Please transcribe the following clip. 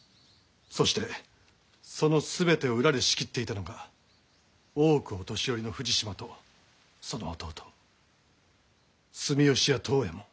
そしてそのすべてを裏で仕切っていたのが大奥御年寄の富士島とその弟住吉屋藤右衛門。